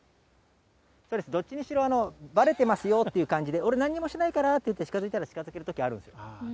そうです、どっちにしろ、ばれてますよっていう感じで、俺、なんにもしないからって言って、近づいたら、近づけるときあるんですよ。